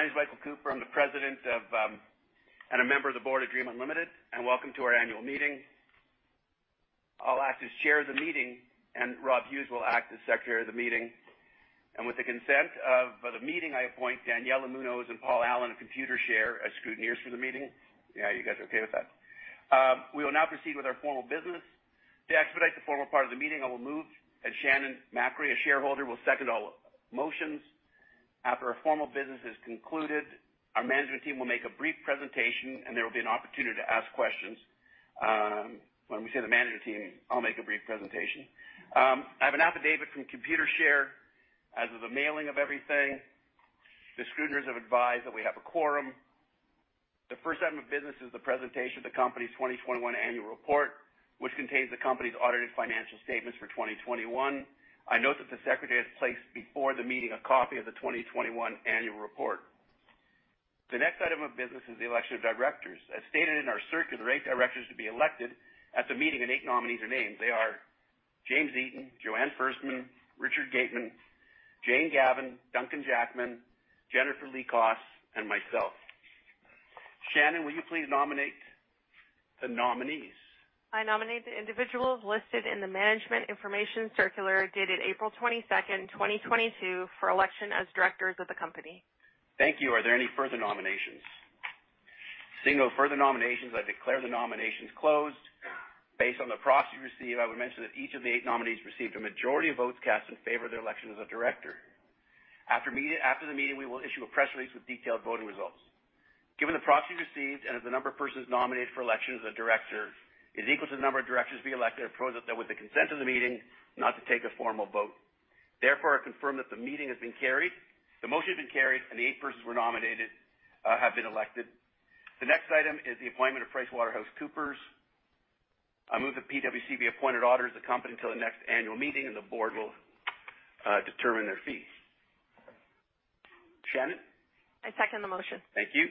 My name is Michael Cooper. I'm the President of and a member of the Board of Dream Unlimited, and welcome to our annual meeting. I'll act as Chair of the meeting, and Rob Hughes will act as Secretary of the meeting. With the consent of the meeting, I appoint Daniela Munoz and Paul Allen of Computershare as scrutineers for the meeting. Yeah, you guys are okay with that? We will now proceed with our formal business. To expedite the formal part of the meeting, I will move, and Shannon Macri, a shareholder, will second all motions. After our formal business is concluded, our management team will make a brief presentation, and there will be an opportunity to ask questions. When we say the management team, I'll make a brief presentation. I have an affidavit from Computershare as of the mailing of everything. The scrutineers have advised that we have a quorum. The first item of business is the presentation of the company's 2021 annual report, which contains the company's audited financial statements for 2021. I note that the Secretary has placed before the meeting a copy of the 2021 annual report. The next item of business is the election of directors. As stated in our circular, 8 directors to be elected at the meeting, and 8 nominees are named. They are Alon Ossip, Joanne Ferstman, Richard Gateman, Jane Gavan, Duncan Jackman, Jennifer Lee Koss, and myself. Shannon, will you please nominate the nominees? I nominate the individuals listed in the Management Information Circular dated April 22, 2022 for election as directors of the company. Thank you. Are there any further nominations? Seeing no further nominations, I declare the nominations closed. Based on the proxy received, I would mention that each of the eight nominees received a majority of votes cast in favor of their election as a director. After the meeting, we will issue a press release with detailed voting results. Given the proxies received and as the number of persons nominated for election as a director is equal to the number of directors to be elected, I propose that with the consent of the meeting not to take a formal vote. Therefore, I confirm that the meeting has been carried, the motion has been carried, and the eight persons who were nominated have been elected. The next item is the appointment of PricewaterhouseCoopers. I move that PwC be appointed auditor of the company until the next annual meeting, and the board will determine their fees. Shannon? I second the motion. Thank you.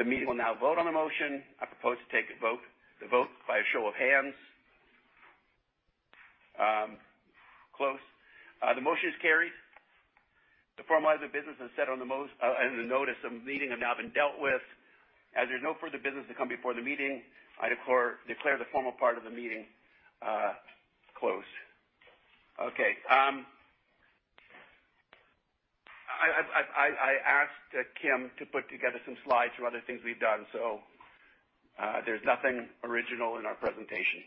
The meeting will now vote on the motion. I propose to take a vote, the vote by a show of hands. Close. The motion is carried. The formal items of business as set in the notice of meeting have now been dealt with. As there's no further business to come before the meeting, I declare the formal part of the meeting closed. Okay. I asked Kim to put together some slides of other things we've done, so, there's nothing original in our presentation.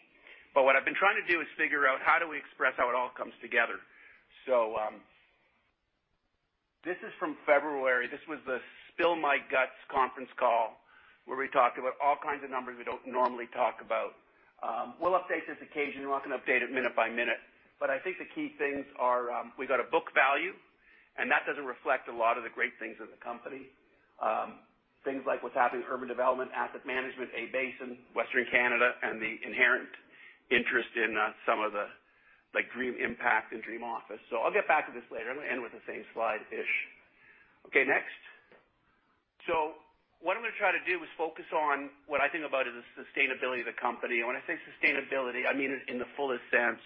What I've been trying to do is figure out how do we express how it all comes together. This is from February. This was the spill my guts conference call, where we talked about all kinds of numbers we don't normally talk about. We'll update this occasionally. We're not gonna update it minute by minute. I think the key things are, we've got a book value, and that doesn't reflect a lot of the great things of the company. Things like what's happening in urban development, asset management, A-Basin, Western Canada, and the inherent interest in, some of the, like, Dream Impact and Dream Office. I'll get back to this later. I'm gonna end with the same Slide-Ish. Okay, next. What I'm gonna try to do is focus on what I think about is the sustainability of the company. When I say sustainability, I mean it in the fullest sense.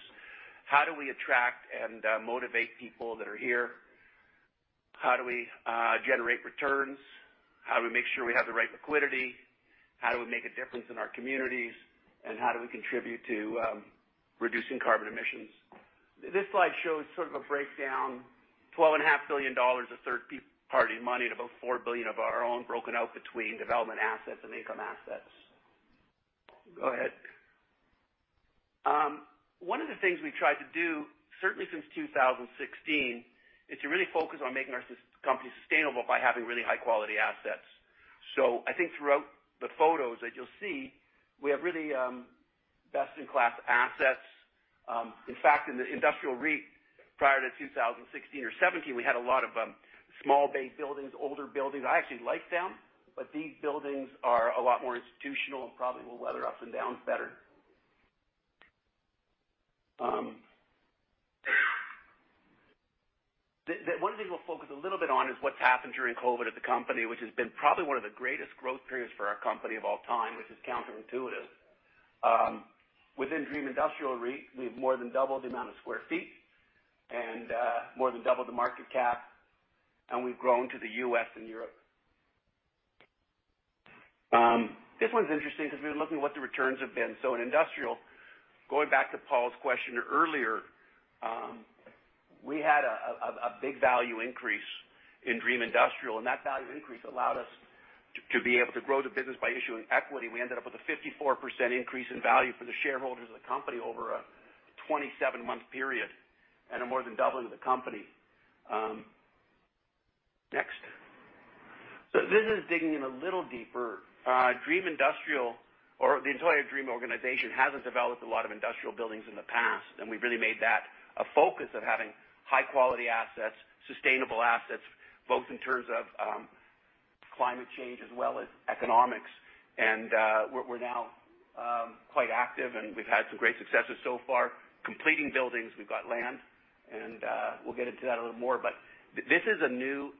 How do we attract and, motivate people that are here? How do we, generate returns? How do we make sure we have the right liquidity? How do we make a difference in our communities? How do we contribute to reducing carbon emissions? This slide shows sort of a breakdown, 12.5 billion dollars of 1/3-party money to about 4 billion of our own, broken out between development assets and income assets. Go ahead. One of the things we've tried to do, certainly since 2016, is to really focus on making our company sustainable by having really high-quality assets. I think throughout the photos that you'll see, we have really Best-In-Class assets. In fact, in the industrial REIT prior to 2016 or 2017, we had a lot of small bay buildings, older buildings. I actually liked them, but these buildings are a lot more institutional and probably will weather ups and downs better. One of the things we'll focus a little bit on is what's happened during COVID at the company, which has been probably one of the greatest growth periods for our company of all time, which is counterintuitive. Within Dream Industrial REIT, we've more than doubled the amount of sq ft and more than doubled the market cap, and we've grown to the US and Europe. This one's interesting because we've been looking at what the returns have been. In industrial, going back to Paul's question earlier, we had a big value increase in Dream Industrial, and that value increase allowed us to be able to grow the business by issuing equity. We ended up with a 54% increase in value for the shareholders of the company over a 27-Month period, and a more than doubling of the company. Next. This is digging in a little deeper. Dream Industrial REIT or the entire Dream organization hasn't developed a lot of industrial buildings in the past, and we've really made that a focus of having high-quality assets, sustainable assets, both in terms of climate change as well as economics. We're now quite active, and we've had some great successes so far completing buildings. We've got land, and we'll get into that a little more. This is a new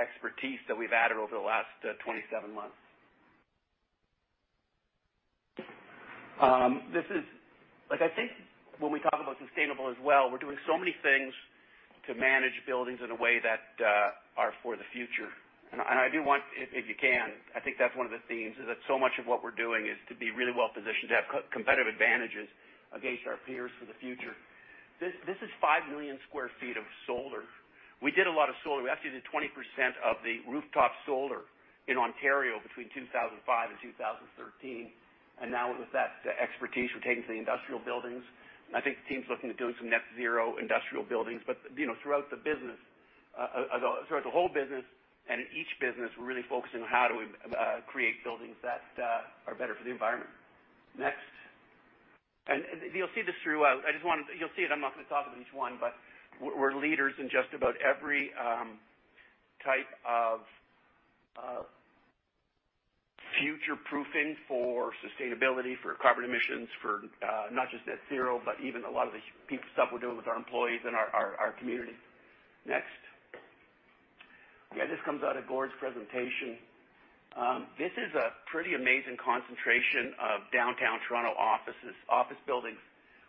expertise that we've added over the last 27 months. This is like I think when we talk about sustainable as well, we're doing so many things to manage buildings in a way that are for the future. I do want, if you can, I think that's one of the themes, is that so much of what we're doing is to be really Well-Positioned to have competitive advantages against our peers for the future. This is 5 million sq ft of solar. We did a lot of solar. We actually did 20% of the rooftop solar in Ontario between 2005 and 2013. Now with that, the expertise we're taking to the industrial buildings. I think the team's looking at doing some net zero industrial buildings. You know, throughout the business, throughout the whole business and in each business, we're really focusing on how do we create buildings that are better for the environment. Next. You'll see this throughout. I just wanted. You'll see it. I'm not gonna talk of each one, but we're leaders in just about every type of Future-Proofing for sustainability, for carbon emissions, for not just net zero, but even a lot of the stuff we're doing with our employees and our community. Next. Yeah, this comes out of Gord's presentation. This is a pretty amazing concentration of downtown Toronto offices, office buildings.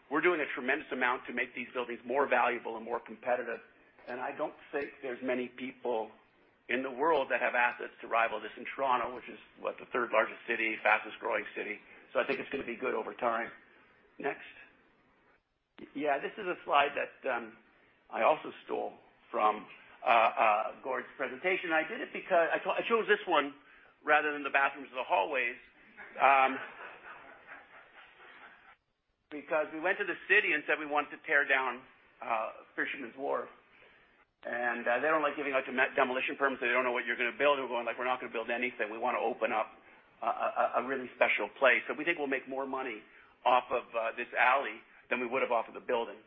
We're doing a tremendous amount to make these buildings more valuable and more competitive, and I don't think there's many people in the world that have assets to rival this in Toronto, which is, what? The 1/3-largest city, fastest-growing city. So I think it's gonna be good over time. Next. Yeah, this is a slide that I also stole from Gord's presentation. I did it because... I chose this one rather than the bathrooms or the hallways, because we went to the city and said we wanted to tear down Fisherman's Wharf. They don't like giving out demolition permits if they don't know what you're gonna build. We're going like, "We're not gonna build anything. We wanna open up a really special place." We think we'll make more money off of this alley than we would have off of the building.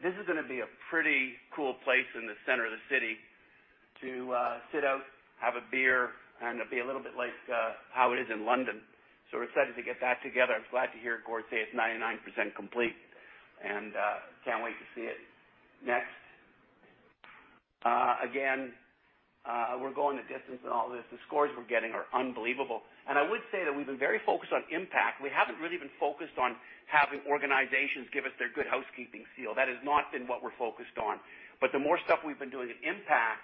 This is gonna be a pretty cool place in the center of the city to sit out, have a beer, and it'll be a little bit like how it is in London. We're excited to get that together. I'm glad to hear Gord say it's 99% complete and can't wait to see it. Next. We're going the distance in all this. The scores we're getting are unbelievable. I would say that we've been very focused on impact. We haven't really been focused on having organizations give us their good housekeeping seal. That has not been what we've focused on. The more stuff we've been doing in impact,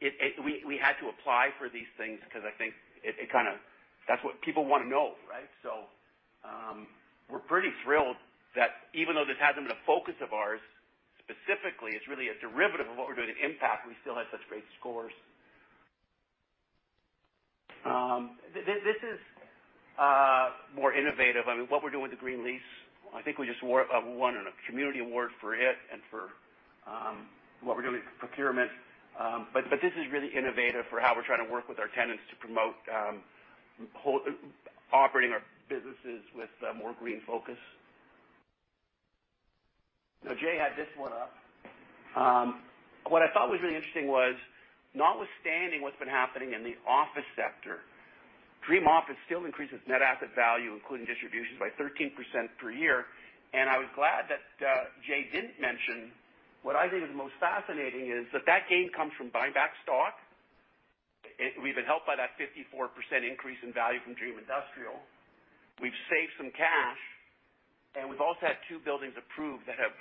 we had to apply for these things because I think it kinda. That's what people wanna know, right? We're pretty thrilled that even though this hasn't been a focus of ours specifically, it's really a derivative of what we're doing in impact, we still had such great scores. This is more innovative. I mean, what we're doing with the green lease, I think we just won a community award for it and for what we're doing with procurement. This is really innovative for how we're trying to work with our tenants to promote operating our businesses with more green focus. Now, Jay had this one up. What I thought was really interesting was notwithstanding what's been happening in the office sector, Dream Office still increases net asset value, including distributions, by 13% per year. I was glad that Jay didn't mention what I think is the most fascinating is that that gain comes from buying back stock. We've been helped by that 54% increase in value from Dream Industrial. We've saved some cash, and we've also had 2 buildings approved that have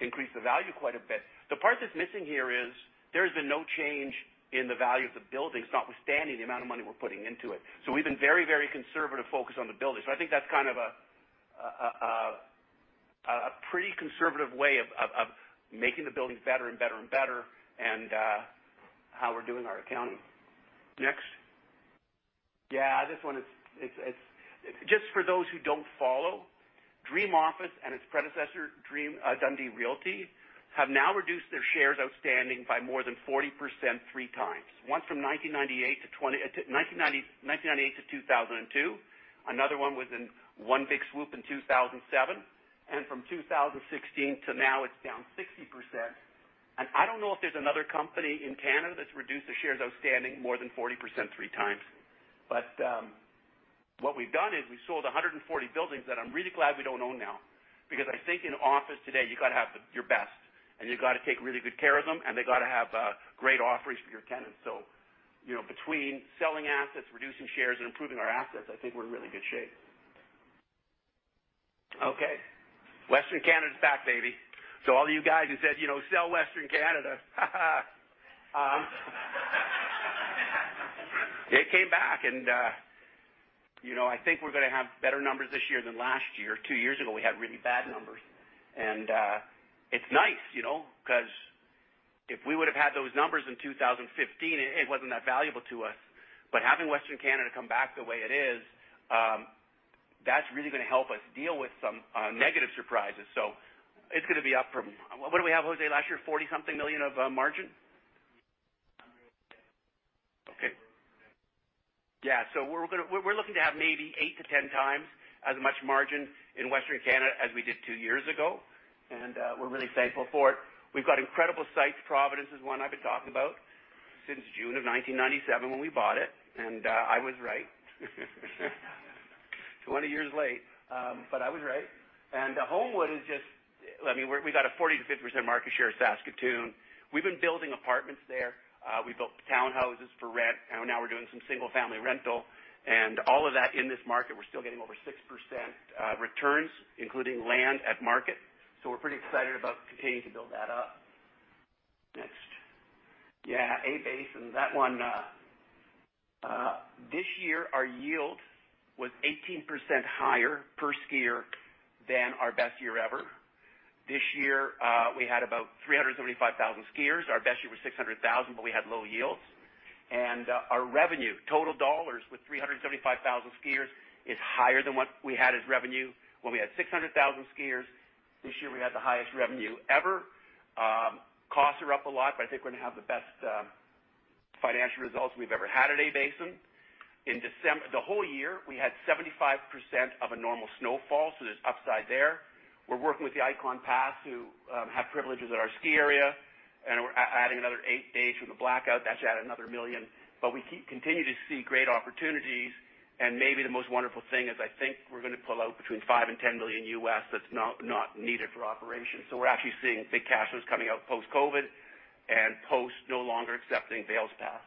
increased the value quite a bit. The part that's missing here is there has been no change in the value of the buildings, notwithstanding the amount of money we're putting into it. We've been very, very conservative focused on the buildings. I think that's kind of a pretty conservative way of making the buildings better and better and better and how we're doing our accounting. Next. Yeah, this one. Just for those who don't follow, Dream Office and its predecessor, Dundee Realty, have now reduced their shares outstanding by more than 40% 3 times. Once from 1998 to 2002. Another one was in one big swoop in 2007. From 2016 to now, it's down 60%. I don't know if there's another company in Canada that's reduced their shares outstanding more than 40% 3 times. What we've done is we sold 140 buildings that I'm really glad we don't own now because I think in office today, you gotta have your best, and you gotta take really good care of them, and they gotta have great offerings for your tenants. You know, between selling assets, reducing shares, and improving our assets, I think we're in really good shape. Okay. Western Canada's back, baby. All you guys who said, you know, "Sell Western Canada," it came back, and you know, I think we're gonna have better numbers this year than last year. Two years ago we had really bad numbers. It's nice, you know, 'cause if we would've had those numbers in 2015, it wasn't that valuable to us. Having Western Canada come back the way it is, that's really gonna help us deal with some negative surprises. It's gonna be up from what did we have, Jose, last year? 40-something million of margin? Yeah we're looking to have maybe 8-10 times as much margin in Western Canada as we did 2 years ago, and we're really thankful for it. We've got incredible sites. Providence is one I've been talking about since June of 1997 when we bought it, and I was right. 20 years later, but I was right. Homewood is just. I mean, we got a 40%-50% market share of Saskatoon. We've been building apartments there. We built townhouses for rent, and now we're doing some single-family rental. All of that in this market, we're still getting over 6% returns, including land at market. We're pretty excited about continuing to build that up. Next. A-Basin. This year our yield was 18% higher per skier than our best year ever. This year we had about 375,000 skiers. Our best year was 600,000, but we had low yields. Our revenue, total dollars with 375,000 skiers, is higher than what we had as revenue when we had 600,000 skiers. This year we had the highest revenue ever. Costs are up a lot, but I think we're gonna have the best financial results we've ever had at A-Basin. The whole year, we had 75% of a normal snowfall, so there's upside there. We're working with the Ikon Pass who have privileges at our ski area, and we're adding another eight days from the blackout. That should add another $1 million. We continue to see great opportunities, and maybe the most wonderful thing is I think we're gonna pull out between $5 million and $10 million that's not needed for operations. We're actually seeing big cash flows coming out Post-COVID and post no longer accepting Vail's pass.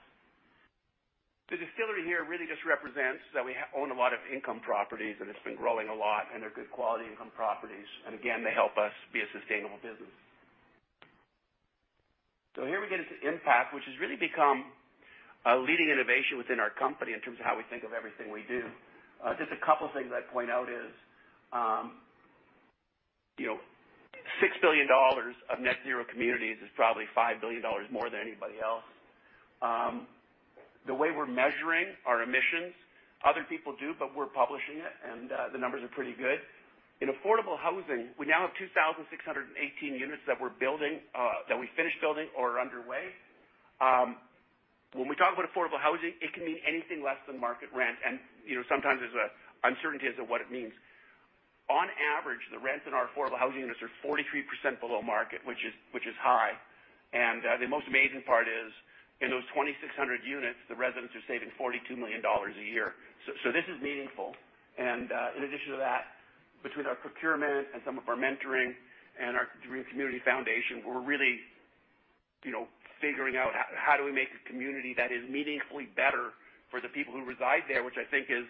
The distillery here really just represents that we own a lot of income properties, and it's been growing a lot, and they're good quality income properties. They help us be a sustainable business. Here we get into impact, which has really become a leading innovation within our company in terms of how we think of everything we do. Just a couple things I'd point out is, you know, 6 billion dollars of net zero communities is probably 5 billion dollars more than anybody else. The way we're measuring our emissions, other people do, but we're publishing it, and the numbers are pretty good. In affordable housing, we now have 2,618 units that we're building, that we finished building or are underway. When we talk about affordable housing, it can mean anything less than market rent. You know, sometimes there's a uncertainty as to what it means. On average, the rents in our affordable housing units are 43% below market, which is high. The most amazing part is, in those 2,600 units, the residents are saving 42 million dollars a year. This is meaningful. In addition to that, between our procurement and some of our mentoring and our community foundation, we're really, you know, figuring out how do we make a community that is meaningfully better for the people who reside there, which I think is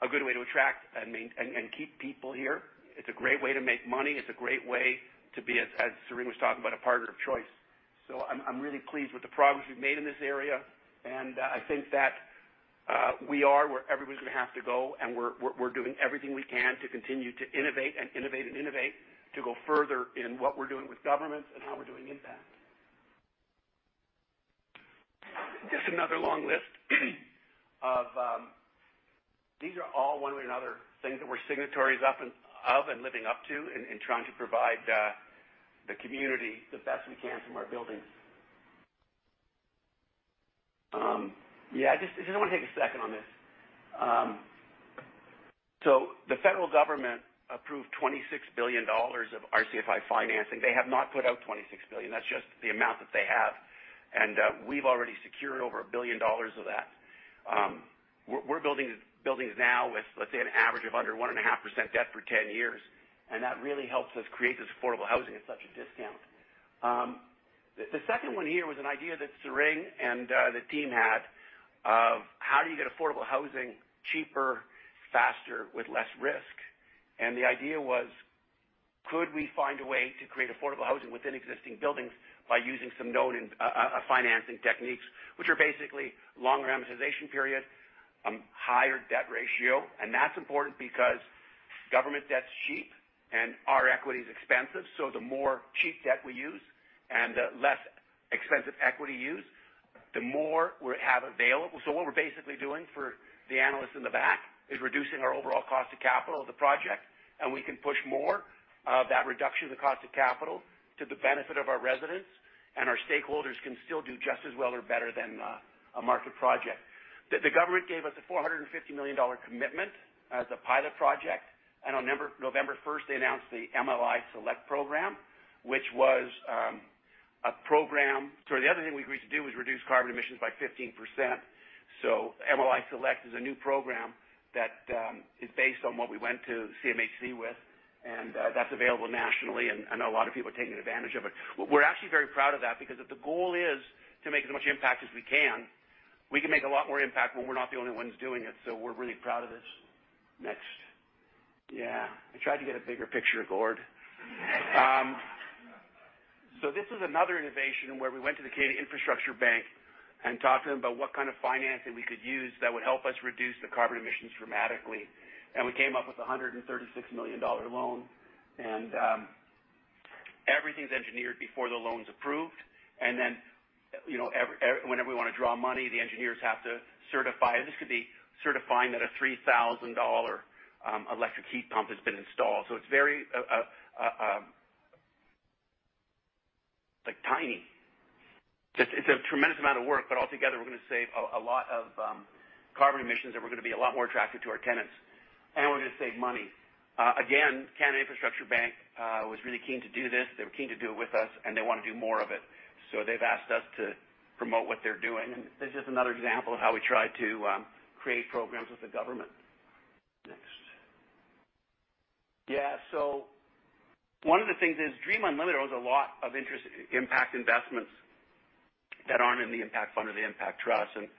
a good way to attract and maintain and keep people here. It's a great way to make money. It's a great way to be, as Meaghan was talking about, a partner of choice. I'm really pleased with the progress we've made in this area. I think that we are where everybody's gonna have to go, and we're doing everything we can to continue to innovate to go further in what we're doing with governments and how we're doing impact. Just another long list of. These are all one way or another things that we're signatories of and living up to and trying to provide the community the best we can from our buildings. Yeah, I just wanna take a second on this. The federal government approved 26 billion dollars of RCFI financing. They have not put out 26 billion. That's just the amount that they have. We've already secured over 1 billion dollars of that. We're building buildings now with, let's say, an average of under 1.5% debt for 10 years, and that really helps us create this affordable housing at such a discount. The second one here was an idea that Meaghan and the team had of how do you get affordable housing cheaper, faster, with less risk. The idea was, could we find a way to create affordable housing within existing buildings by using some known financing techniques, which are basically longer amortization period, higher debt ratio. That's important because government debt's cheap and our equity is expensive. The more cheap debt we use and less expensive equity used, the more we have available. What we're basically doing, for the analysts in the back, is reducing our overall cost of capital of the project, and we can push more of that reduction in the cost of capital to the benefit of our residents, and our stakeholders can still do just as well or better than a market project. The government gave us a 450 million dollar commitment as a pilot project. On November first, they announced the MLI Select program, which was a program. The other thing we agreed to do was reduce carbon emissions by 15%. MLI Select is a new program that is based on what we went to CMHC with, and that's available nationally, and I know a lot of people are taking advantage of it. We're actually very proud of that because if the goal is to make as much impact as we can, we can make a lot more impact when we're not the only ones doing it. We're really proud of this. Next. Yeah. I tried to get a bigger picture, Gord. This is another innovation where we went to the Canada Infrastructure Bank and talked to them about what kind of financing we could use that would help us reduce the carbon emissions dramatically. We came up with a 136 million dollar loan. Everything's engineered before the loan's approved. Then, you know, whenever we wanna draw money, the engineers have to certify. This could be certifying that a 3,000 dollar electric heat pump has been installed. It's very like tiny. Just, it's a tremendous amount of work, but altogether, we're gonna save a lot of carbon emissions and we're gonna be a lot more attractive to our tenants, and we're gonna save money. Again, Canada Infrastructure Bank was really keen to do this. They were keen to do it with us, and they wanna do more of it. They've asked us to promote what they're doing. This is just another example of how we try to create programs with the government. Next. Yeah. One of the things is Dream Unlimited owns a lot of interests in impact investments that aren't in the impact fund or the impact trust, and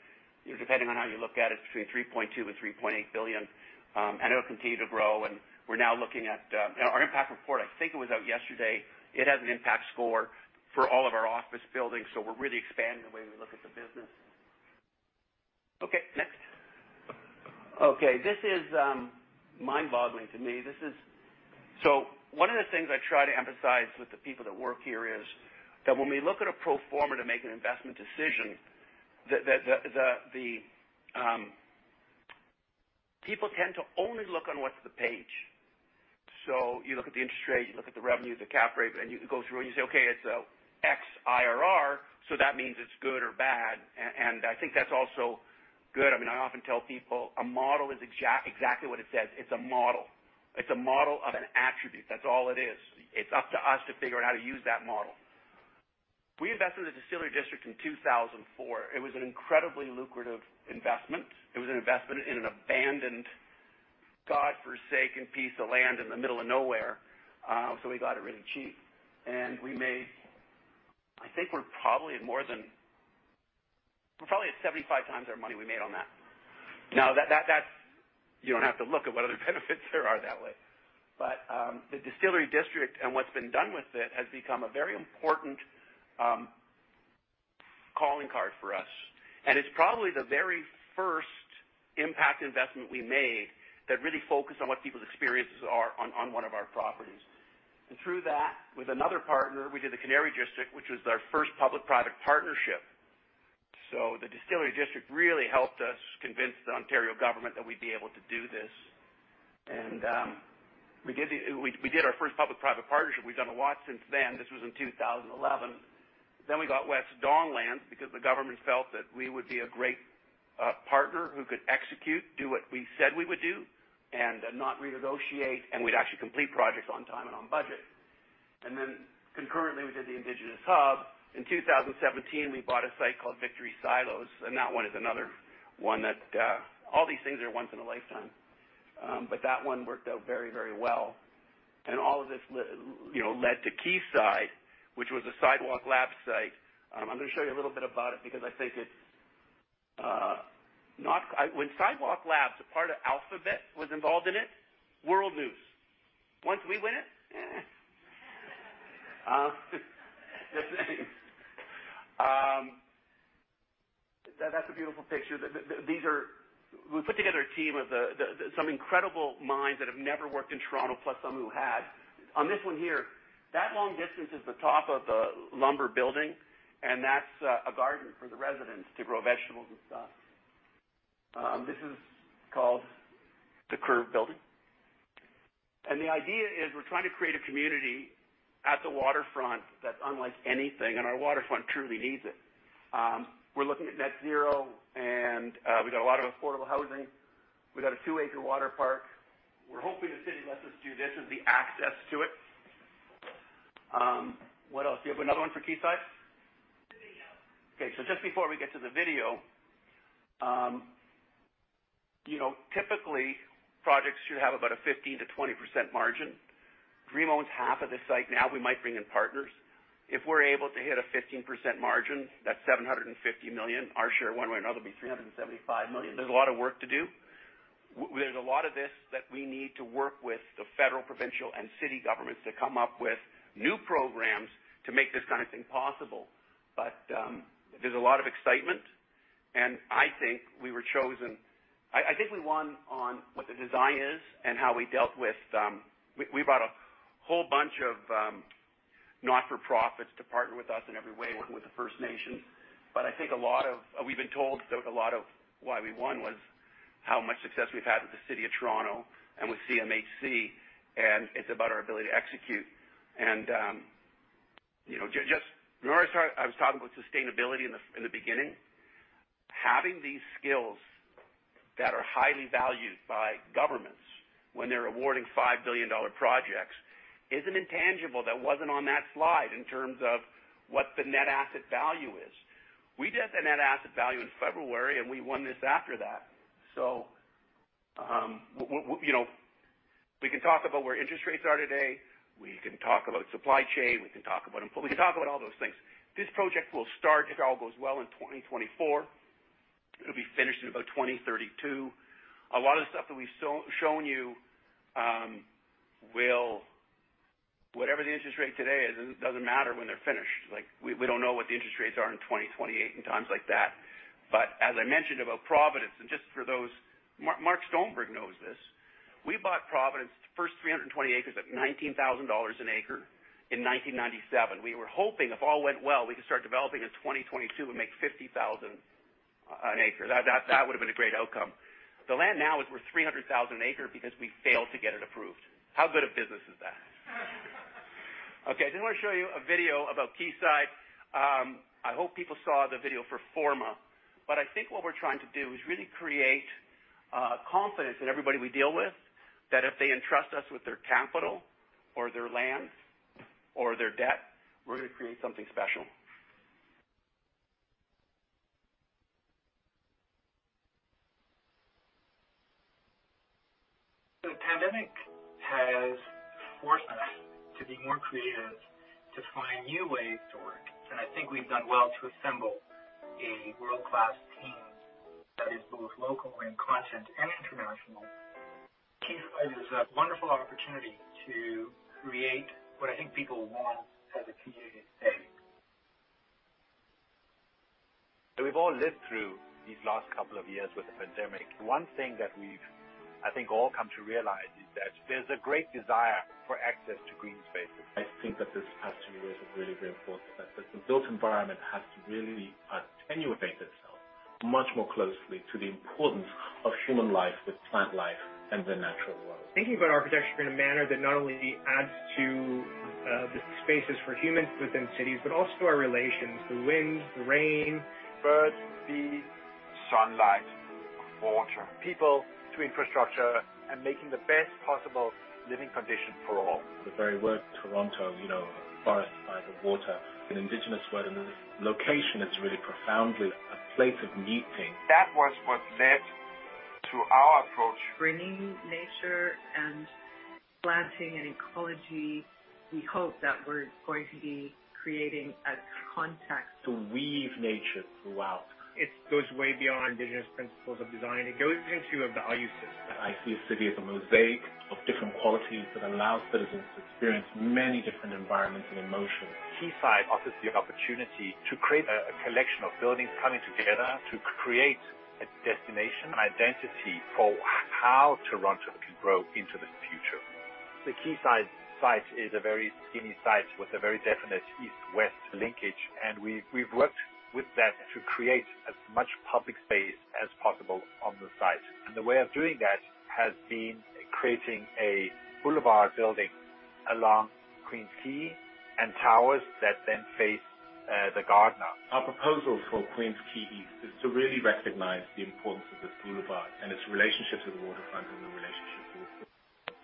depending on how you look at it's between 3.2 billion and 3.8 billion, and it'll continue to grow. We're now looking at our impact report, I think it was out yesterday. It has an impact score for all of our office buildings, so we're really expanding the way we look at the business. Okay, next. Okay, this is mind-boggling to me. This is. One of the things I try to emphasize with the people that work here is that when we look at a pro forma to make an investment decision, people tend to only look at what's on the page. You look at the interest rate, you look at the revenue, the cap rate, and you go through and you say, "Okay, it's a X IRR, so that means it's good or bad." I think that's also good. I mean, I often tell people a model is exactly what it says. It's a model. It's a model of an attribute. That's all it is. It's up to us to figure out how to use that model. We invested in the Distillery District in 2004. It was an incredibly lucrative investment. It was an investment in an abandoned God-forsaken piece of land in the middle of nowhere, so we got it really cheap. We're probably at 75 times our money we made on that. Now that's. You don't have to look at what other benefits there are that way. The Distillery District and what's been done with it has become a very important calling card for us. It's probably the very first impact investment we made that really focused on what people's experiences are on one of our properties. Through that, with another partner, we did the Canary District, which was our first Public-Private partnership. The Distillery District really helped us convince the Ontario government that we'd be able to do this. We did our first public-private partnership. We've done a lot since then. This was in 2011. We got West Don Lands because the government felt that we would be a great partner who could execute, do what we said we would do, and not renegotiate, and we'd actually complete projects on time and on budget. Concurrently, we did the Indigenous Hub. In 2017, we bought a site called Victory Silos, and that one is another one that all these things are once in a lifetime. That one worked out very, very well. All of this led to Quayside, which was a Sidewalk Labs site. I'm gonna show you a little bit about it because I think it's not. When Sidewalk Labs, a part of Alphabet, was involved in it, world news. Once we win it, eh. That's a beautiful picture. These are. We put together a team of some incredible minds that have never worked in Toronto, plus some who had. On this one here, that long distance is the top of the timber building, and that's a garden for the residents to grow vegetables and stuff. This is called the Curved Building. The idea is we're trying to create a community at the waterfront that's unlike anything, and our waterfront truly needs it. We're looking at net zero, and we've got a lot of affordable housing. We've got a 2-acre water park. We're hoping the city lets us do this as the access to it. What else? Do you have another one for Quayside? Video. Okay. Just before we get to the video, you know, typically projects should have about a 15%-20% margin. Dream owns 1/2 of this site now. We might bring in partners. If we're able to hit a 15% margin, that's 750 million. Our share, one way or another, will be 375 million. There's a lot of work to do. We have a lot of this that we need to work with the federal, provincial, and city governments to come up with new programs to make this kind of thing possible. There's a lot of excitement, and I think we were chosen. I think we won on what the design is and how we dealt with. We brought a whole bunch of Not-For-Profits to partner with us in every way, working with the First Nations. I think a lot of why we won was how much success we've had with the City of Toronto and with CMHC, and it's about our ability to execute. Remember I was talking about sustainability in the beginning? Having these skills that are highly valued by governments when they're awarding 5 Billion-Dollar projects is an intangible that wasn't on that slide in terms of what the net asset value is. We did the net asset value in February, and we won this after that. We, you know, we can talk about where interest rates are today, we can talk about supply chain, we can talk about all those things. This project will start, if it all goes well, in 2024. It'll be finished in about 2032. A lot of the stuff that we've shown you will. Whatever the interest rate today is, it doesn't matter when they're finished. Like, we don't know what the interest rates are in 2028 and times like that. As I mentioned about Providence, and just for those Mark Stonebridge knows this. We bought Providence, the first 320 acres, at 19,000 dollars an acre in 1997. We were hoping, if all went well, we could start developing in 2022 and make 50,000 an acre. That would've been a great outcome. The land now is worth 300,000 an acre because we failed to get it approved. How good a business is that? Okay. I then want to show you a video about Quayside. I hope people saw the video for Forma. I think what we're trying to do is really create confidence in everybody we deal with, that if they entrust us with their capital or their lands or their debt, we're going to create something special. The pandemic has forced us to be more creative to find new ways to work, and I think we've done well to assemble a World-Class team that is both local and continental, and international. Quayside is a wonderful opportunity to create what I think people want as a community today. We've all lived through these last couple of years with the pandemic. One thing that we've, I think, all come to realize is that there's a great desire for access to green spaces. I think that this has to be a really, really important aspect. The built environment has to really attune itself much more closely to the importance of human life with plant life and the natural world. Thinking about architecture in a manner that not only adds to the spaces for humans within cities, but also our relations, the wind, the rain. Birds, bees. Sunlight, water. People to infrastructure and making the best possible living condition for all. The very word Toronto, you know, forest by the water. An indigenous word, and the location is really profoundly a place of meeting. That was what led to our approach. Bringing nature and planting and ecology, we hope that we're going to be creating a context. To weave nature throughout. It goes way beyond indigenous principles of design. It goes into a value system. I see a city as a mosaic of different qualities that allows citizens to experience many different environments and emotions. Quayside offers the opportunity to create a collection of buildings coming together to create a destination, an identity for how Toronto can grow into the future. The Quayside site is a very skinny site with a very definite East-West linkage, and we've worked with that to create as much public space as possible on the site. The way of doing that has been creating a boulevard building along Queen's Quay and towers that then face the garden. Our proposal for Queens Quay East is to really recognize the importance of this boulevard and its relationship to the waterfront and the relationship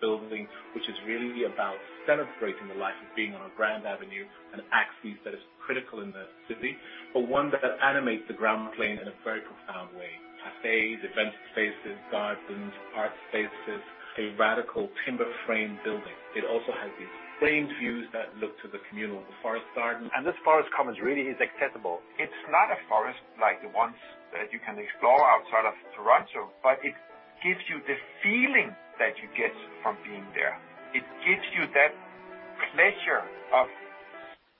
to the building, which is really about celebrating the life of being on a grand avenue, an axis that is critical in the city, but one that animates the ground plane in a very profound way. Cafes, event spaces, gardens, art spaces. A radical timber frame building. It also has these framed views that look to the communal forest garden. This forest commons really is accessible. It's not a forest like the ones that you can explore outside of Toronto, but it gives you the feeling that you get from being there. It gives you that pleasure of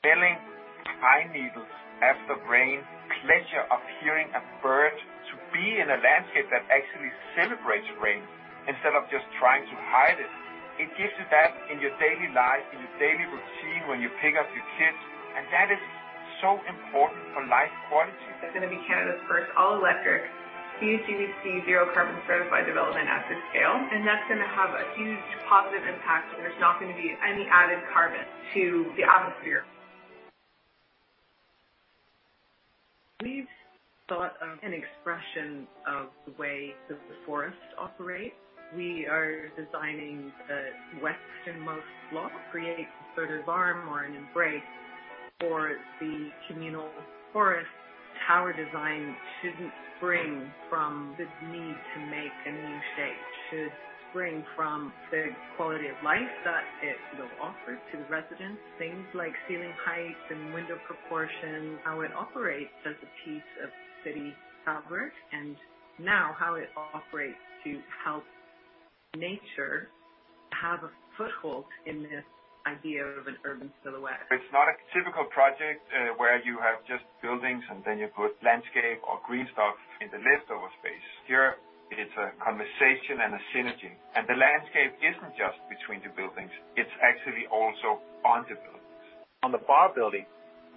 smelling pine needles after rain, pleasure of hearing a bird, to be in a landscape that actually celebrates rain instead of just trying to hide it. It gives you that in your daily life, in your daily routine, when you pick up your kids, and that is so important for life quality. It's gonna be Canada's first all-electric, CaGBC zero carbon certified development at this scale, and that's gonna have a huge positive impact, and there's not gonna be any added carbon to the atmosphere. We've thought of an expression of the way that the forest operates. We are designing the westernmost block, create a sort of arm or an embrace for the communal forest. Tower design shouldn't spring from the need to make a new shape. It should spring from the quality of life that it will offer to the residents. Things like ceiling height and window proportion, how it operates as a piece of city fabric, and now how it operates to help nature have a foothold in this idea of an urban silhouette. It's not a typical project, where you have just buildings, and then you put landscape or green stuff in the leftover space. Here, it's a conversation and a synergy, and the landscape isn't just between the buildings, it's actually also on the buildings. On the bar building,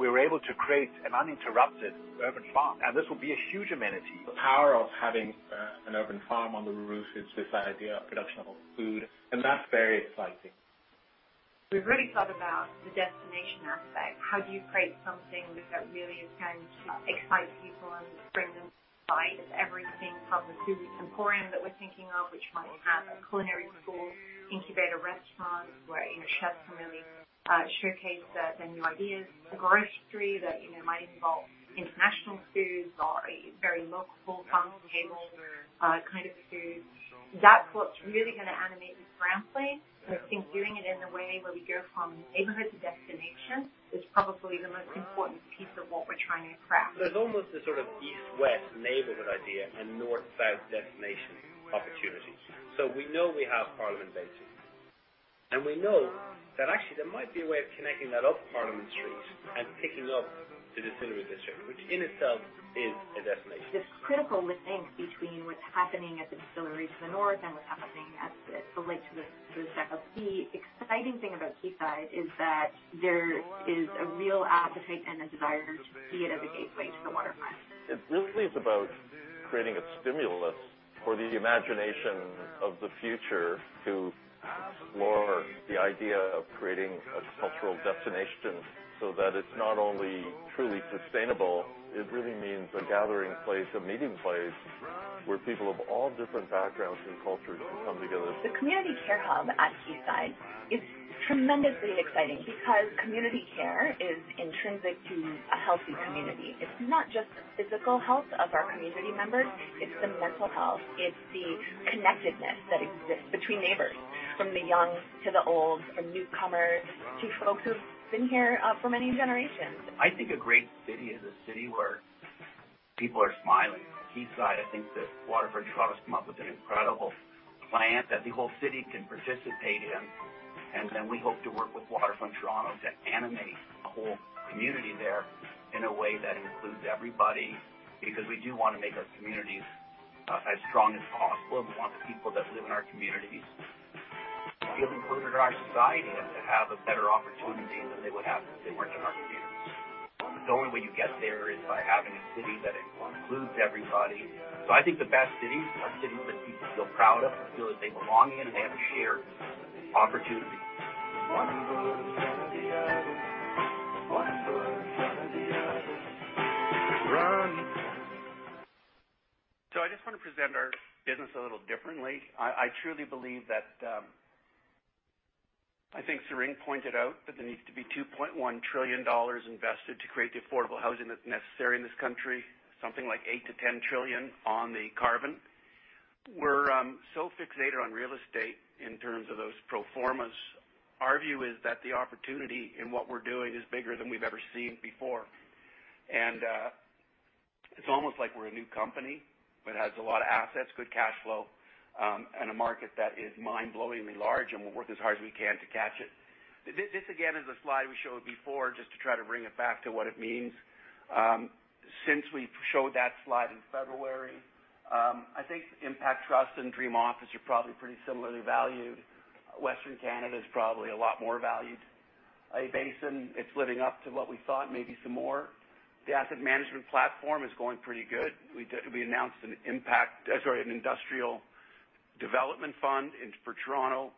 we were able to create an uninterrupted urban farm, and this will be a huge amenity. The power of having an urban farm on the roof is this idea of production of food, and that's very exciting. We've really thought about the destination aspect. How do you create something that really is going to excite people and bring them by? It's everything from the food emporium that we're thinking of, which might have a culinary school, incubator restaurants where, you know, chefs can really showcase their new ideas. A grocery that, you know, might involve international foods or a very local farm-to-table kind of food. That's what's really gonna animate this ground plane. I think doing it in a way where we go from neighborhood to destination is probably the most important piece of what we're trying to craft. There's almost a sort of East-West neighborhood idea and north-south destination opportunity. We know we have Parliament Basin, and we know that actually there might be a way of connecting that up Parliament Street and picking up the Distillery District, which in itself is a destination. It's critical, we think, between what's happening at the distillery to the north and what's happening at the lake to the south. The exciting thing about Quayside is that there is a real appetite and a desire to see it as a gateway to the waterfront. It really is about creating a stimulus for the imagination of the future to. Explore the idea of creating a cultural destination so that it's not only truly sustainable, it really means a gathering place, a meeting place where people of all different backgrounds and cultures can come together. The community care hub at Quayside is tremendously exciting because community care is intrinsic to a healthy community. It's not just physical health of our community members, it's the mental health. It's the connectedness that exists between neighbors, from the young to the old, from newcomers to folks who've been here, for many generations. I think a great city is a city where people are smiling. Quayside, I think that Waterfront Toronto's come up with an incredible plan that the whole city can participate in. We hope to work with Waterfront Toronto to animate a whole community there in a way that includes everybody because we do wanna make our communities as strong as possible. We want the people that live in our communities feeling closer to our society and to have a better opportunity than they would have if they weren't in our communities. The only way you get there is by having a city that includes everybody. I think the best cities are cities that people feel proud of and feel that they belong in, and they have a shared opportunity. One foot in front of the other. One foot in front of the other. Run. I just want to present our business a little differently. I truly believe that I think Sarin pointed out that there needs to be 2.1 trillion dollars invested to create the affordable housing that's necessary in this country. Something like 8-10 trillion on the carbon. We're so fixated on real estate in terms of those pro formas. Our view is that the opportunity in what we're doing is bigger than we've ever seen before. It's almost like we're a new company that has a lot of assets, good cash flow, and a market that is mind-blowingly large, and we'll work as hard as we can to catch it. This, again, is a slide we showed before just to try to bring it back to what it means. Since we showed that slide in February, I think Impact Trust and Dream Office are probably pretty similarly valued. Western Canada is probably a lot more valued. A-Basin, it's living up to what we thought, maybe some more. The asset management platform is going pretty good. We announced an industrial development fund for Toronto.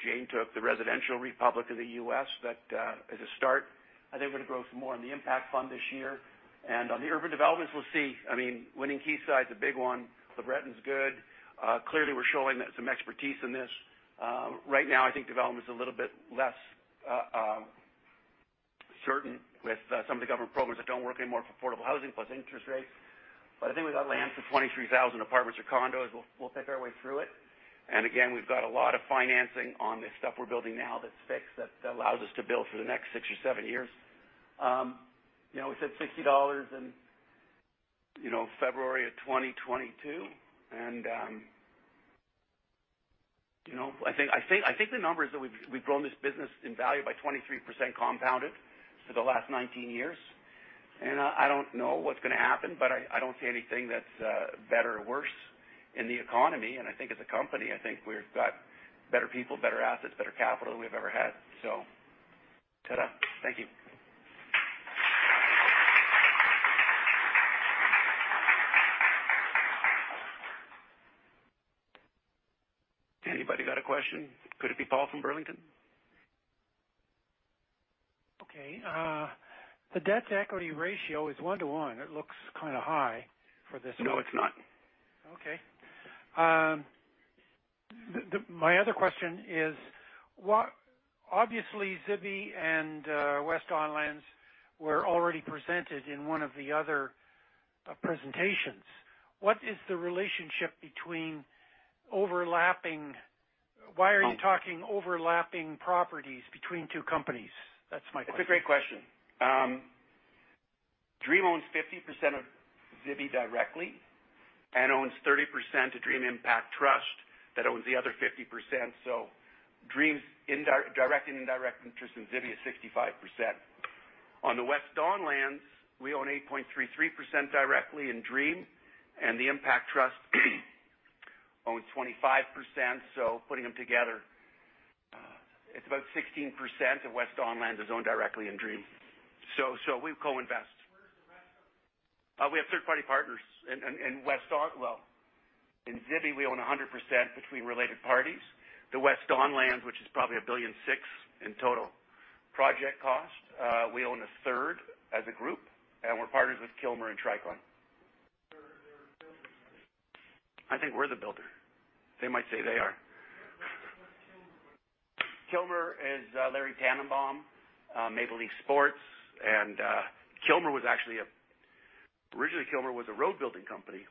Jane took the residential REIT of the US that is a start. I think we're gonna grow some more on the Impact Fund this year. On the urban developments, we'll see. I mean, winning Quayside's a big one. LeBreton Flats good. Clearly we're showing that some expertise in this. Right now, I think development's a little bit less certain with some of the government programs that don't work anymore for affordable housing, plus interest rates. I think we got land for 23,000 apartments or condos. We'll pick our way through it. Again, we've got a lot of financing on the stuff we're building now that's fixed, that allows us to build for the next 6 or 7 years. You know, we said 60 dollars in, you know, February of 2022. You know, I think the numbers that we've grown this business in value by 23% compounded for the last 19 years. I don't know what's gonna happen, but I don't see anything that's better or worse in the economy. I think as a company, I think we've got better people, better assets, better capital than we've ever had. Ta-da. Thank you. Anybody got a question? Could it be Paul from Burlington? Okay. The debt-to-equity ratio is 1:1. It looks kinda high for this- No, it's not. Okay. My other question is, obviously, Zibi and West Don Lands were already presented in one of the other presentations. What is the relationship between overlapping- Oh. Why are you talking overlapping properties between 2 companies? That's my question. It's a great question. Dream owns 50% of Zibi directly and owns 30% of Dream Impact Trust that owns the other 50%. Dream's direct and indirect interest in Zibi is 65%. On the West Don Lands, we own 8.33% directly in Dream, and the Impact Trust owns 25%. Putting them together, it's about 16% of West Don Lands is owned directly in Dream. We co-invest. Where is the rest of it? We have third-party partners in West Don. Well, in Zibi, we own 100% between related parties. The West Don Lands, which is probably 1.6 billion in total project cost, we own a 1/3 as a group, and we're partners with Kilmer and Tricon. They're builders, right? I think we're the builder. They might say they are. Yeah, what's Kilmer? Kilmer Group is Larry Tanenbaum, Maple Leaf Sports & Entertainment. Kilmer was actually originally a road building company,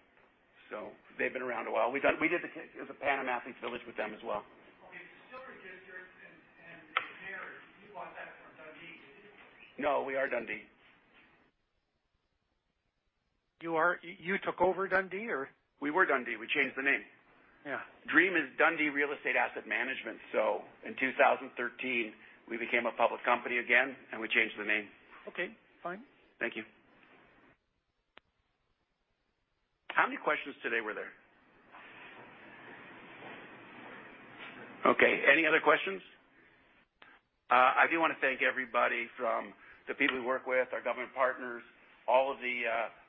so they've been around a while. We did the Pan Am Athletes' Village with them as well. Okay. Silver Geyser and The Mirror, you bought that from Dundee, didn't you? No, we are Dundee. You took over Dundee or? We were Dundee. We changed the name. Yeah. Dream is Dundee Real Estate Asset Management. In 2013, we became a public company again, and we changed the name. Okay, fine. Thank you. How many questions today were there? Okay, any other questions? I do wanna thank everybody from the people we work with, our government partners, all of the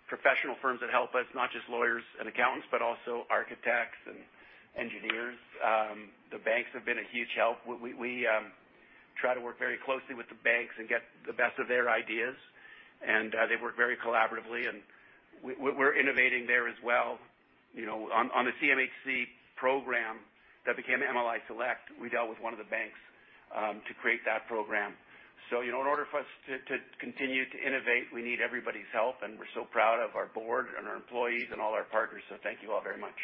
professional firms that help us, not just lawyers and accountants, but also architects and engineers. The banks have been a huge help. We try to work very closely with the banks and get the best of their ideas. They work very collaboratively, and we're innovating there as well. You know, on the CMHC program that became MLI Select, we dealt with one of the banks to create that program. You know, in order for us to continue to innovate, we need everybody's help, and we're so proud of our board and our employees and all our partners. Thank you all very much.